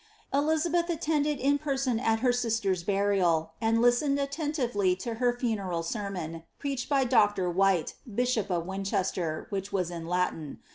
Dizabeth attended in person at her sister's burial, and listened atten tively to her funeral sermon, preached by Dr. White, bishop of Win chester, which was in Latin.